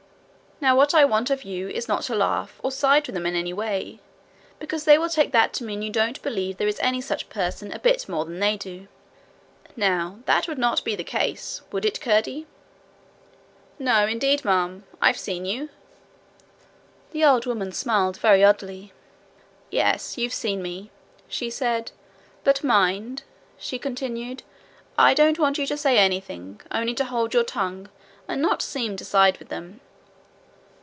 Now what I want of you is not to laugh, or side with them in any way; because they will take that to mean that you don't believe there is any such person a bit more than they do. Now that would not be the case would it, Curdie?' 'No, indeed, ma'am. I've seen you.' The old woman smiled very oddly. 'Yes, you've seen me,' she said. 'But mind,' she continued, 'I don't want you to say anything only to hold your tongue, and not seem to side with them.'